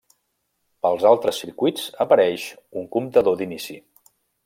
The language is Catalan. Pels altres circuits, apareix un comptador d'inici.